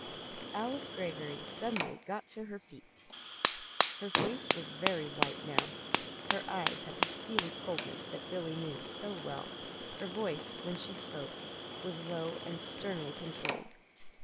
Alice Greggory got suddenly to her feet. Her face was very white now. Her eyes had the steely coldness that Billy knew so well. Her voice, when she spoke, was low and sternly controlled.